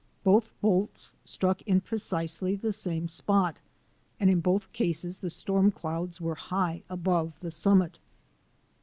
Both bolts struck in precisely the same spot, and in both cases the storm clouds were high above the summit.